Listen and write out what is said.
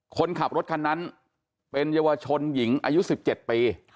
คนขับรถคันนั้นเป็นเยาวชนหญิงอายุ๑๗ปี